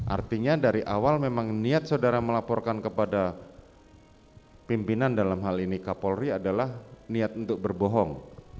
artinya dari awal memang niat saudara melaporkan kepada pimpinan dalam hal ini kapolri adalah niat untuk berbohong